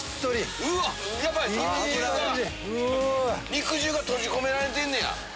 肉汁が閉じ込められてんねや。